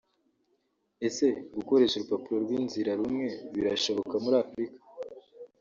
Ese gukoresha urupapuro rw’inzira rumwe birashoboka muri Afurika